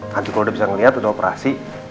nanti kalau udah bisa ngeliat udah operasi